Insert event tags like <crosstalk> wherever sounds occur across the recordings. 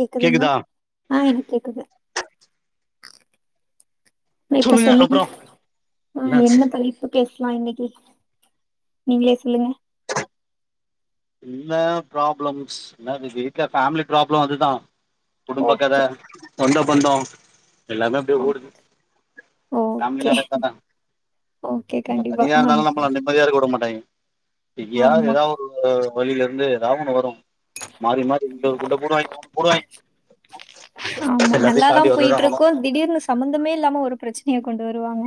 கேக்குதுங்லா கேக்குதா ஆ எனக்கு கேக்குது ப்ரே இப்ப சொல்லுங்க ஆஹ் என்னாச்சு என்ன தலைப்பு பேச லாம் இன்னிக்கி நீங்களே சொல்லுங்க என்ன ப்ராப்ளம்ஸ் என்ன வீட்ல ஃபேமிலி ப்ராப்ளம் அதுதா குடும்ப கத ஓகே செந்த பந்தோ எல்லாமே அப்டே ஓடுது ஓகே ஃபேமிலினால அத்தானே ஓகே நம்ம கண்டிப்பா தனியா ஆ இருந்தாலு நம்மள நிம்மதியா இருக்க உட மாட் டைம் எங்கயாது ஆமா எதா ஒரு தோ வலில இருந்து எதா ஒன்னு வரோ போடுவாய்ங்க ஆமா எல்லாத்தையு நல்லாதா தாண்டி வந்துதா போயிட்டு ஆகணு இருக்கோ திடீர்னு சம்பந்தமே இல்லாம ஒரு பிரச்சனைய கொண்டு வருவாங்க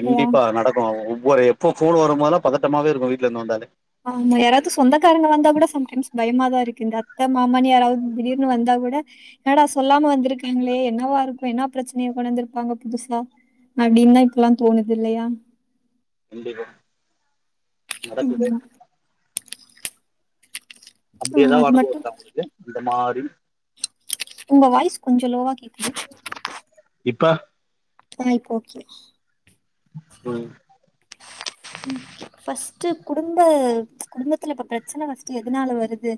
இல்லையா நடக்கோ ஒவ்வொரு எப்போ ஃபோன் வரும்போதெல்லா பதட்டமாவே இருக்கோ வீட்ல இருந்து வந்தாலே ஆமா யாராவது சொந்தக்காரங்க வந்தா கூட சம்டைம்ஸ் பயமாதா இருக்கு இந்த அத்த மாமானு யாராவது திடீர்னு வந்தா கூட என்னாடா சொல்லாம வந்திருக்காங்களே என்னவா இருக்கோ என்ன பிரச்சனைய கொண்டந்திருப்பாங்க புதுசா அப்டின்னு தா இப்பல்லா தோணுது இல்லையா கண்டிப்பா ம் நடக்குது ஆமா அப்டி ஆ, எதாவ அது அனுபவம் மட்டு இருக்கா உங்களுக்கு இந்த மாரி உங்க வாய்ஸ் கொஞ்சோ லோவா கேக்குது இப்ப ஆஹ இப்போ ஓகே ம் ஃஸ்ட்டு குடும்ப குடும்பத்துல இப்ப ப்ரெச்சன ஃஸ்ட்டு எதனால வருது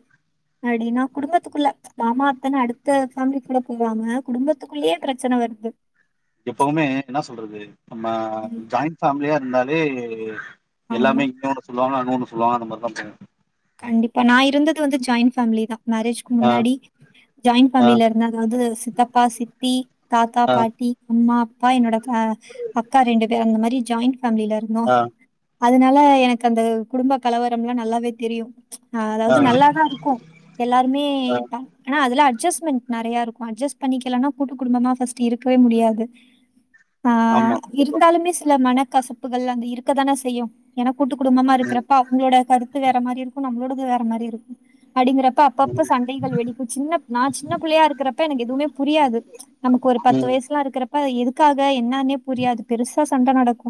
அப்டீனா குடும்பத்துக்குள்ள மாமா அத்தன்னு அடுத்த ஃபேமிலிகுள்ள போவாங்க குடும்பத்துக்குள்ளயே ப்ரெச்சன வருது எப்பவுமே என்ன சொல்றது நம்ம ம் ஜாயிண் ஃபேமிலியா இருந்தாலே ஆமா எல்லாமே இன்னொன்னு சொல் சொல்லுவாங்க அது ஒன்னு சொல்லுவாங்க அத மாரி தான் போவும் கண்டிப்பா நான் இருந்தது வந்து ஜாயிண்ட் ஃபேமிலி தான் மேரேஜ்க்கு ஆ முன்னாடி ஜாயின் ஆ ஃபமிலில இருந்த அதாது சித்தப்பா சித்தி தாத்தா ஆ பாட்டி அம்மா அப்பா என்னோட அக்கா ரெண்டு பேர் அந்த மாரி ஜாயின் ஃமிலில இருந்தோ ஆ அதனால எனக்கு அந்த குடும்ப கலவரம்லா நல்லாவே தெரியும் ஆ அதாவது நல்லாதா இருக்கோ எல்லாருமே ஆ ஆனா அதுலா அட்ஜஸ்ட்மென்ட் நெறையா இருக்கோ அட்ஜஸ்ட் பண்ணிக்கலனா கூட்டு குடும்பமா ஃப்ஸ்ட் இருக்கவே முடியாது ஆ ஆமா கண்டிப்பா இருந்தாலுமே சில மனக் கசப்புகள் அந்த இருக்க தான செய்யும் எனக் கூட்டு குடும்பமா ம் இருக்கிறப்ப அவங்களோட கருத் வேற மாரி இருக்கோ நம்ளோடது வேற மாரி இருக்கோ அடிங்கறப்ப அப்பப்ப சண்டைகள் வெடிக்கோ சின்னப் நா சின்ன பிள்ளையா இருக்குறப்ப இப்ப எனக்கு எதுமே புரியாது நமக்கு ஒரு பத்து ம் ம் வயசுலா இருக்குற ப்ப எதுக்காக என்னன்னே புரியாது பெருசா சண்ட நடக்கோ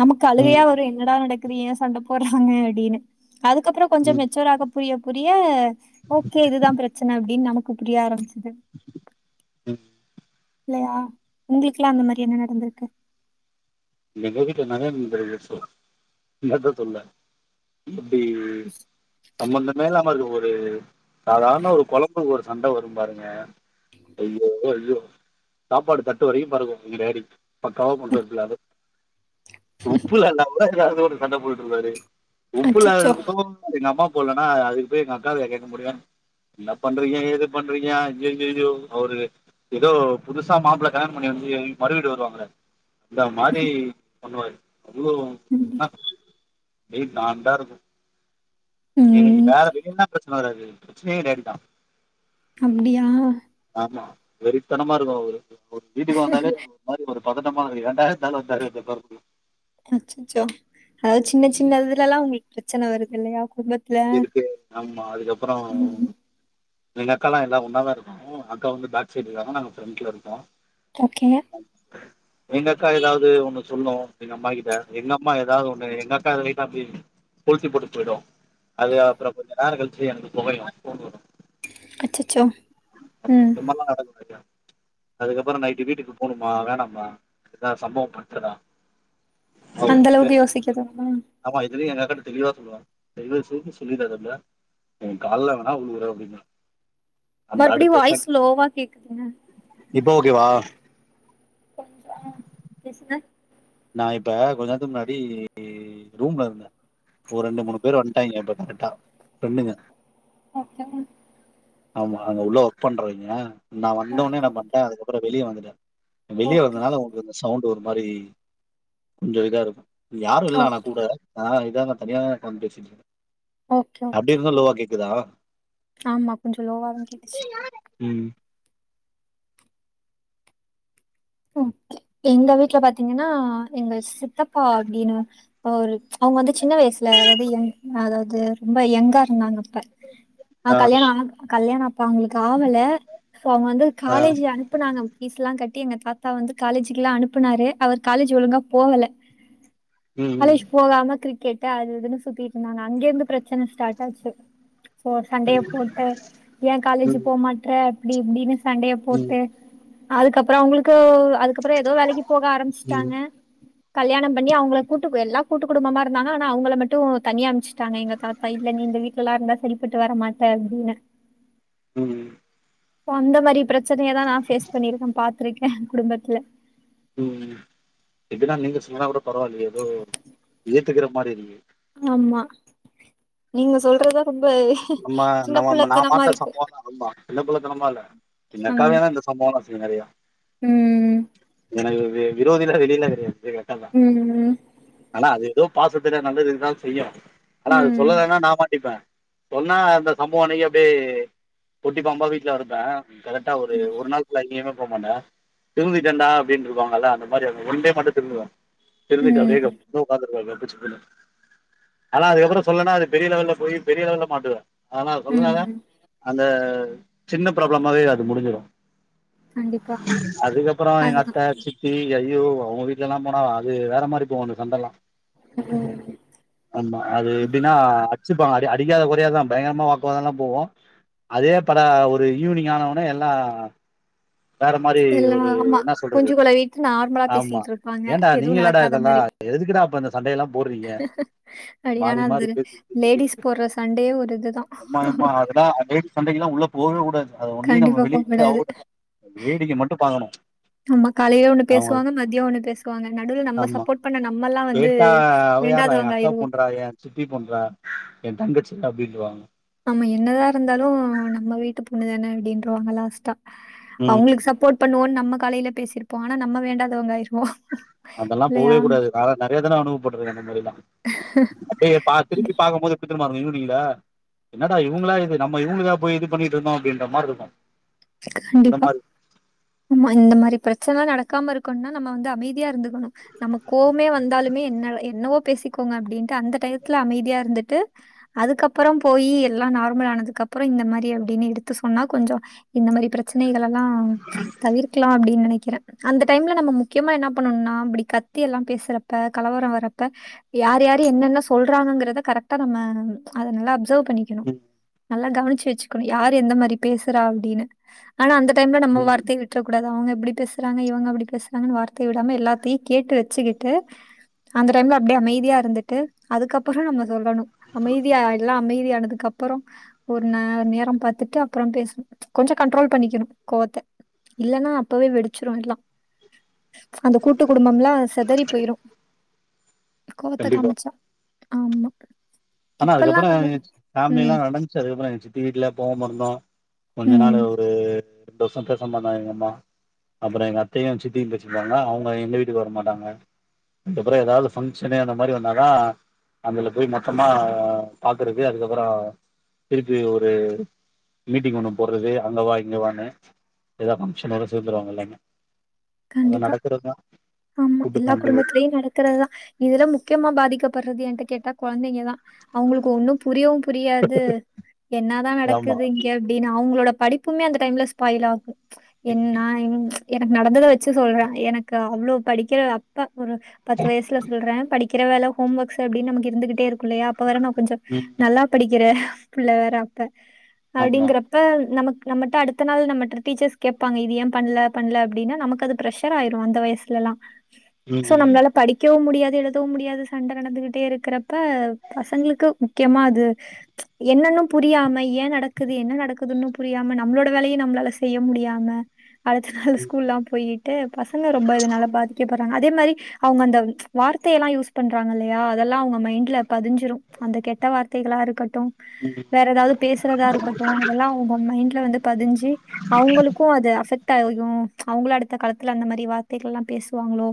நமக்கு அழுவையா ம் ஒரு என்னடா நடக் ஏன் சண்ட போடுறாங்க அப்டின்னு அதுக்கப்புறோ கொஞ்சோ ம் மேச்சூர்ராக புரிய புரிய ஓகே இதுதா பிரெச்சன அப்டின் நமக் க்கு புரிய ஆரம்மி ம் இல்லையா உங்களுக்கெல்லா அந்த மாரி என்ன நடந்துருக்கு எங்க வீட்டு நெறையா இந்த மாரி கேஸ் வரோ என்னத்த சொல்ல அப்டி சம்பந்தமே இல்லாம இருக்க ஒரு சாதாரண ஒரு கொழம்புக்கு ஒரு சண்ட வரோ பாருங்க ஐயோ ஐயோ சாப்பாடு தட்டு வரையு பாருக்கும் எங்க டேடி பக்கவா <unintelligible> உப்புலலால அது ஒரு சண்டை போட்டு இருப்பாரு உப்பு அச்சச்சோ! இல்லாததுக்கும் எங்க அம்மா போ அதுக்கு போய் எங்க அக்கவயா கேட்க முடியன் என்ன பண்றிங்க ஏது பன்றிங்க ஐய்யயயோ ஒரு எதோ புதுசா மாப்ள கல்யாணம் பன்னி வந்து மறு வீடு வருவாங்களே அந்த மாரி டே பண்ணுவாரு அவ்ளோ ம். நல்லா இருக் ப்டியே ண்டாருக்கு எனக்கு ம். வேற விதத்துல பிரச்சன வறாது பிரச்சனையே டையாதுகா அப்டியா வெறித்தனமா இருக்கு அவரு ஒரு வீட்டுக்கு வந்தாலே நம்ப ஒரு மாறி ஒரு பதட்டமா இருக்கு ஏன்டா இந்த ஆளு வந்தாரு வந்து உட்காறக் அச்சச்சோ! பிரச்சண வர்துல்லயா இருக்கு ஆமா அதுக்கப்றோ ம். எங்க அக்கா லா எல்லா ஒன்னாதான் இருக்கோ அக்கா வந்து பேக் சைடு இருக்காங்க நாங்க ஃப்ரண்ட்ல இருக்கோ ஓக்கேங்க எங்க அக்கா ஏதாவது ஒண்ணு சொல்லும் எங்க அம்மா கிட்ட எங்க அம்மா ஏதாவது ஒண்ணு எங்க அக்கா கிட்ட அப்டி கொளுத்தி போட்டுட்டு போயிடு அது அப்புறோ கொஞ்ச நேர கழ்ச்சி எனக்கு பொகையும் கொண்டு வரு அச்சச்சோ ம். இதுமால்லா நடக்கு இல்லியா அதுக்கப்பறோ நைட்டு வீட்டுக்கு போணுமா வேணாமா எதா சம்பவம் பண்டுதா அந்தளவுக்கு யோசிக்காதாமா ஆமா இதுலயும் எங்க அக்காட்ட தெளிவா சொல்லுவா தயிவ செஞ்சி சொல்லிதாறப் புளே உ கால்லே வேணா உழுவுறே அப்டின்னா மறுபடி வாய்ஸ் லோவா கேக்குதுங்க இப்ப ஓகேவா கொஞ்சம் ஆ பேசுங்க நா இப்ப கொஞ்ச நேரத்துக்கு முன்னாடி ரூம்ல இருந்தேன் ஒரு ரெண்டு மூணு பேர் வந்து இங்க பாத்த கெட்டா ரெண்டுங்க ஓகே மேம் <inaudible> ஆமா அங்க உள்ள ஒர்க் பண்றவீங்க நான் வந்தோனே ஓகே. நம்ம பொறப்பட்டா அதுக்கப்பறம் வெளிய வந்துட்ட வெளிய ஓகே. வந்ததுனால வந்து அந்த சவுண்ட் வரு மாரி கொஞ்சயஇதாருக்கு யாரு இல்ல ஆனா ஓகே. கூட ஆஹ் இங்க நா தனியா தான் பேசிட்டு இருக் ஓகே ஓகே கிரா ஆமா கொஞ்சோ லோவா தா கேட்டுச்சு உம் எங்க வீட்டுல பாத்தீங்கன்னா எங்க சித்தப்பா அப்டின்னு ஒரு அவங்க வந்து சின்ன வயசுல அதாவது அதாவது அது ரொம்ப எங்கா இருந்தாங்க ஆ கல்யாண ஆனா கல்யாண அ அப்ப அவங்களுக்கு ஆவல சோ அவங்க வந்து ஆ. காலேஜ் அனுப்புனாங்க பீஸ் எலா கட்டி என்ன க அப்பா வந்து காலேஜக்கு எல்லா அனுப்புனாரு அவர் காலேஜ் ஒழுங்கா போகல ம், ம். காலேஜ்போகாம கிர் கேட்ட அது இதுனு சுத்திட்டு இருந்தாங்க அங்க இருந்து பிரச்சன ஸ்டார்ட் ஆச்சு சண்டே ம். போட்டு ஏன் காலேஜ் ம், போ மாற்ற தி தினஸ் சண்டையை ம். போட்டு அதுக் அப்புறோ அவ்ங்களுக்கு க்கா அது அதுக்கப்புறோ ஏதோ வேலைக்கு போக ம். ஆரம்பச்சுட்டாங்க கல்யாணம் பண்ணி அவங்களை கூட்டு எல்லா கூட்டு குடும்பமா இருந்தாங்க ஆனா அவங்கள மட்டு தனியா அமைச்சுட்டாங்க எங்க தாத்தா இல்ல நீ இந்த வீட்டுல எல்லா இருந்தா சரிப்பட்டு வர மாட்ட அப்டின்னு உம் அந்த மாதிரி பிரச்சனையா நான் பேஸ் பண்ணியிருக்கே பாத்துருக்கேன் ஏ குடும்பத்துல உம்‌ இப்பதான் நீங்க சொன்னாட் பரவிலொ எதொ எ எதேக்குற மாரி ஆமா நீங்க சொல்றதா ரொம்ப நம்ம சின்ன நம்ம நா புள்ளத்தனமா பாத்த இருக்கு சம்பவம் தான் ரொமா சின் குள்ள தம இல்ல எங்கக்காவிய தான் இந்த சம்பவம் தான் நெறயா உம்ம் எனக்கு விரோதியு வெளியலா கிடையாது எங்க அக்காதா ம் ஆனா அது ஏதோ பாசத்துல நல்லதுதுதா செய்யு ஆனா அது ம் சொல்லலன்னா நா மாட்டிபபே சொன்னா அந்த சம்பவம் அன்னைக்கு அப்டியே பொட்டி பாம்பா வீடல கடப்பே கரெக்டா ஒரு நாள் ஃபுல்லா எங்கயுமே போ மாட்ட திருந்திட்டேன்டா அப்டின்னு சொல்லுவாங்கல்ல அந்த மாதிரி அவங்க ஒன்டே மட்டு திருந்துவே தெரிசிட்டு ம் அப்டியே ஸ்னோ பாத்துடு வாங்க <unintelligible> ஆனா அதுக்கப்புறோ சொல்லனா அது பெரிய லெவல்ல போயி பெரிய லெவல் மாட்டுதா ஆனா சொல்லுலாத ம் அந்த <unintelligible> சின்ன ப்ராபளமாவே அது முடிஞ்சிடு கண்டிப்பா அதுக்கப்புறோ எங்க அத்த அதுதான் சித்தி அய்யோ அவங்க வீட்லல்லா போனா அது வேற மாரி போவங்க சண்டல்லா ம் ஆமா அது எப்டின்னா அ <unintelligible> அடி றையாது குறையாது தா பயங்கரமா வாக்குவாதம்ல்லா போவு அதே பட ஒரு ஈவினிங் ஆனவுடனே எல்லா வேற மாரி எல்லா ஒரு ஆமா என்னா சொல்றது குஞ்சு குளவிட்டு நார்மலா ஆமா பேசிட்டு இருப்பாங்க ஏண்டா எதுவும் நீங்களாட நடக்காத இதெல்லா மாரி எதுக்கிடா அப்ப இந்த சண்ட எல்லா போடுறீங்க மாறி மாறி பேச <unintelligible> சண்டேயே ஒரு இதா அம்மா எம்மா அதுதா <unintelligible> சண்டைக்கெல்லா உள்ள போகவே கூடாது அத ஒன்லியு நம்ம கண்டிப்பா போ வெளியிட்டு கூடாது <unintelligible> வேடிக்கை மட்டு பாக்கனு ஆமா காலையில ஒண்ணு அவ்ங்க பேசுவாங்க மதியம் ஒண்ணு பேசுவாங்க நடுவுல நம்ம ஆமா சப்போர்ட் பண்ண நம்மல்லாம் வந்து கேட்டா அவயார்றா ஏ வேண்டாதவங்க அக்கா ஆயிருவோ பொண்றா ஏ சித்தி பொண்றா ஏ தங்கச்சி அப்டின் <unintelligible> ஆமா என்னதா ருந்தாலு நம்ம வீட்டு பொண்ணுதான அப்டின்றுவாங்க லாஸ்ட்டா ம் அவ்ங்களுக்கு சப்போர்ட் பண்ணுவோன் நமக்கு காலைல பேசிருப்போ ஆனா நம்ம வேண்டாதவங்க ஆயிருவோ அதெல்லா போவே கூடாது வேற நெறைய தடவ அனுபவப்பட்ருக்கு அந்த மாரிலா ஏ ப்பா அது திருப்பி பாக்கும்போது <unintelligible> என்னடா இவ்ங்களா இது நம்ம இவ்ங்களுக்கா போய் இது பண்ணிட் இருந்தோ அப்டின்ற மாரி இருக்கு இந்த கண்டிப்பா மாரி ஆமா இந்த மாரி பிரச்சனலா நடக்காம இருக் இருக்கணுனா நம்ம வந்து அமைதியா இருந்துக்கணு நம்ம கோவமே வந்தாலுமே என்ன எ என்னவோ பேசிக்கோங்க அப்டின்ட்டு அந்த டயத்துல அமைதியா இருந்துட்டு அதுக்கப்புற போயி எல்லா நார்மல் ஆனதுக்கு அப்புறோ இந்த மாரி அப்டின்னு எடுத்து சொன்னா கொஞ்சோ இந்த மாரி பிரச்சனைகள்லல் லா தவிர்க்கலா அப்டின் நெனக் கிற அந்த டைம்ல நம்ம முக்கியமா என்னா பண்ணுனா அப்டி கத்தி எல்லா பேசுறப்ப கலவரோ வர்ரப்ப யார் யாரு என்னென்ன சொல்றாங்ஙகறத கரெக்டா நம்ம அத நல்லா அப்சர்வ் பண்ணிக்கணு ம் நல்லா கவினிச்சு வச்சுகணு யார் எந்த மாரி பேசுறா அப்டின்னு ஆனா அந்த டைம்ல நம்ம ம் வார்த்தை விட்ரக் கூடாது அவ்ங்க கிட்ட ப்படி பேசுறாங்க இவங்க அப்டி பேசுறாங்கன்னு வார்த்தையை விடாம எல்லாத்தையு கேட்டு வச்சுக்கிட்டு அந்த டைம்ல அப்டியே அமைதியா இருந்துட்டு அதுக்கப்புறோ நம்ம சொல்லணு அமைதியா எல்லா அமைதியா அதுக்குப்புறோ ஒரு நே நேரம் பாத்துட்டு அப்புறோ பேசணு கொஞ்ச கண்ட்ரோல் பண்ணிக்கணு கோவத்த இல்லைன்னா அப்பவே வெடிச்சிரு எல்லா அந்த கூட்டு குடும்பல்லா செதறி போயிரு கோவத்த கண்டிப்பா காமச்சா ஆமா ஆனா அதுக்கப்பற இப்பல்லாம் நம்ம ஃபேமிலி எல்லா ம், நடந்துச்சு அதுக்கப்பற சித்தி வீட்டுலா போகாமிருந்தோ கொஞ்ச நாலு ம். ஒரு ரெண்டு வருஷ பேசமிருந்தாங்க எங்க அம்மா அப்பற எங்க அத்தையு சித்தியு பேச்சிருந்தாங்களா அவங்க எங்க வீட்டுக்கு வர மாட்டாங்க அதுப்பற ஏதாவது பங்சனு அந்த மாதிரி வந்தாதான் அதுல போய் மட் கமா பாக்குறது அதுக்கப்பற இருக்கு ஒரு மீட்டிங் ஒண்ணு போடுறது அங்கவா இங்கவானு ஏதாவது பங்கஷன் வந்தா சேந்துருவாங்க இல்லைங்க கண்டிப்பா ஆமா கூட்டு எல்லா ஃபேமிலி குடும்பத்திலயு நடக்கறதுதா இதுல முக்கியமா பாதிக்கப்படுறது என்ட கேட்டா கொழந்தைங்க தா அவங்களுக்கு ஒன்னு புரியவு புரியாது என்னாதா ஆமா நடக்குது இங்க அப்படின்னு அவங்களோடப் படிப்புமே அந்த டைம்ல ஸ்பாயில் ஆகும் என்ன இந் ம்ச் எனக்கு நடந்தத வச் வச்சு சொல்றே எனக்கு அவ்வளோ படிக்கிற அப்பா ஒரு பத்து வயசுல சொல்றே படிக் கிற வேல ஹோம் ஒர்க்ஸ் அப்டினு நமக்கு இருந்துகிட்டே இருக்கு ள்ளையா அப்ப வேற நா கொஞ்சொ ம் நல்லா படிக்கிற பிள்ள வேற அப்ப ஆமா அப்படிங்கறப்ப நமக் நம்மட்ட அடுத்த நாள் நமிட்ட டீச்சர்ஸ் கேட்பாங்க இது ஏ பண்ணல பண்ணல அப்படின்னு நமக்கு அது பிரஷர் ஆயிரு அந்த வயசுலல்லா ம் சோ ம் நம்மளால படிக்கவு முடியா எழுதவு முடியாது சண்ட நடந்துகிட்டே இருக்கிறப்ப பசங்களுக்கு முக்கியமா அது ம்ச் என்னன்னு புரியாம ஏன் நடக்குது என்ன நடக்குதுன்னு புரியாம நம்மளோட வேலைய நம்மளால செய்ய முடியாம அடுத்த நாள் ஸ்கூல்லா போயிட் ட்டு பசங்க ரொம்ப அதனால பாதிக்கப்படுறாங்க அதே மாதிரி அவங்க அந்த ம்ச் வார்த்தைய எல்லா யூஸ் பண்றாங்க இல்லையா அதெல்லா அவங்க மைண்ட்ல பதிஞ்சுரு அந்த கெட்ட வார்த்தைகளா இருக்க ட்டும் வேற ஏதாவது பேசுறதா இருக்கட்டு அதெல்லா அவங்க மைண்ட்ல வந்து பதிஞ்சு அவங்களுக்கு அது அபெக்ட் ட்டாகு ம்ச் அவங்களு அடுத் அடுத்த காலத்துல அந்த மாரி வார்த்தைகள்ல்லா பேசுவாங்களோ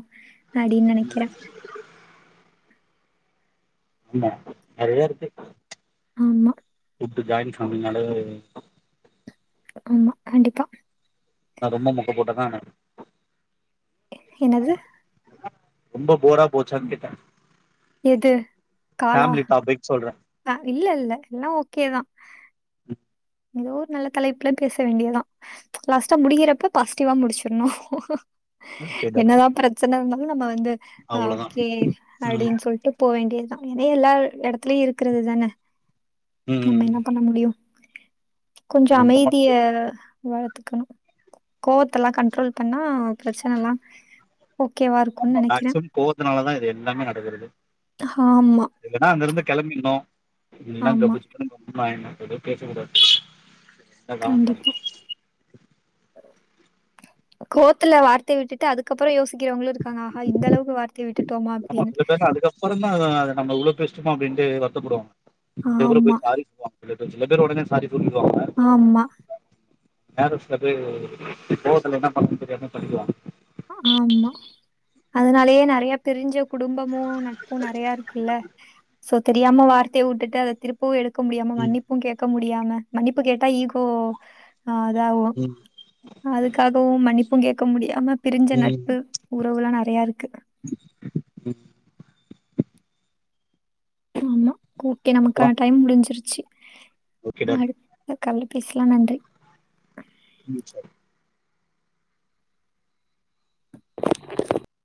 அப்டின்னு நெனைக்கிறே ஆமா நெறையா இருக்கு ம்ச் ஆமா ஜாயின் ஃபேம்மிலினாலே <unintelligible> ஆமா கண்டிப்பா நா ரொம்ப மொக்க போட்டதான என்னது ரொம்ப போரா போச்சான்னு கேட்டே எது காலா ஃபேமிலி டாபிக் சொல்றே ஆ இல்ல இல்ல எல்லா ஓகேதா ஏதோ ஒரு நல்ல தலைப்புல பேச வேண்டியதா ச் லாஸ்டா முடிகிறப்ப பாசிட்டிவா முடிச்சறணு ஓகே டன் என்னதா பிரச்சனன்னா நம்ம வந்து ஆ அவ்ளோதா ஓகே ம் அப்டின்னு சொல்ட்டு போ வேண்டியது இதே எல்லா இடத்துலயு இருக்கறது தான நம்ம ம் என்ன பண்ண முடியு கொஞ்சோ ஒன்னு பண்ண அமைதிய முடியாது வளத்துக்கணு கோவத்த எல்லா கண்ட்ரோல் பண்ணா பிரச்சனெல்லா ஓகேவா இருக்குன்னு ஆமா நெனக்கிறே மேக்சிமம் கோவத்துனாலதா இது எல்லாமே நடக்கறது இல்லன்னா அங்க இருந்து கிளம்பீட்ணு இல்லனா ஆமா கப் சிப்புணு கம்மு பயமா இருக்றத பேச கூடாது அதான் அதான் கண்டிப்பா கோவத்துல வார்த்தய விட்டுட்டு அதுக்கப்றோ யோசிக்கிறவங்களு இருக்காங்க ஆஹா இந்த அளவுக்கு வார்த்தய விட்டுட் ஆமா சிலபேர்லா அதுக்கப்பறோ தா ஆஹ் நம்ம இவ்ளோ பேசிட்டோமா அப்டின்ட்டு வருத் த்தப்படுவாங்க அதுக்கப்பறோ ஆமா போய் சாரி சொல்வாங்க <unintelligible> சில பேர் உடனே சாரி ஆமா பேலன்ஸ் சில பேர் கோவத்துல என்ன பண்றதுனு தெரியாம பண்ணிறுவாங்க ஆமா அதனாலயே நெறயா பிரிஞ்ச குடும்பம் மோ நட்பு நெறயா இருக்குல்ல சோ தெரியாம வார்த்தய விட்டுட் அத திருப்பவு எடு க்க முடியாம மன்னிப்பும் கேட்க முடி டியாம மன்னிப்பு கேட்டா ஈகோ ஆ அதாவு அதுக்காகவு மன்னிப்பும் கேட்க முடியாம கொஞ்ச நட்பு <unintelligible> உறவுலா நெறயா இருக்கு ம் ஆமா ஓக்கே அப்புறோ நமக்கான டைம் முடிஞ்சிருச் சி ஓகே டன் அடுத்த கால்ல பேசலா நன்றி ம் சரி <inaudible>